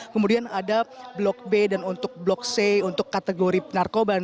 kemudian ada blok b dan untuk blok c untuk kategori narkoba